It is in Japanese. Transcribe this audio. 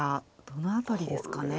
どの辺りですかね。